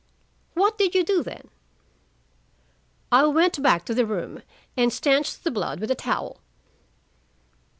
"What did you do then?" "I went back to the room, and stanched the blood with a towel."